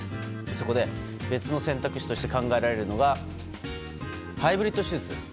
そこで別の選択肢として考えられるのがハイブリット手術です。